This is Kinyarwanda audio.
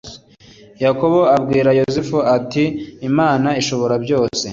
yakobo abwira yosefu ati imana ishoborabyose